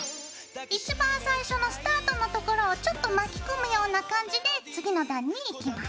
一番最初のスタートのところをちょっと巻き込むような感じで次の段にいきます。